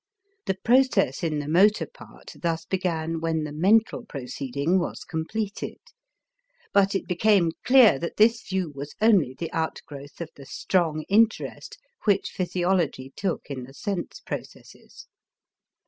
The process in the motor part thus began when the mental proceeding was completed. But it became clear that this view was only the outgrowth of the strong interest which physiology took in the sense processes.